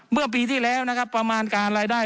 เมื่อปีที่แล้วนะครับประมาณการรายได้